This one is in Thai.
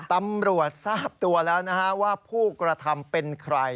ตำรวจทราบตัวแล้วนะฮะว่าผู้กระทำเป็นใคร